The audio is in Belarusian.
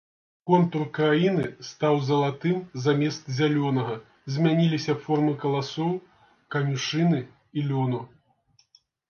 Контур краіны стаў залатым замест зялёнага, змяніліся формы каласоў, канюшыны і лёну.